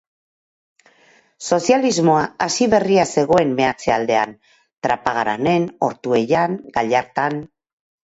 Sozialismoa hasi berria zegoen meatze-aldean, Trapagaranen, Ortuellan, Gallartan.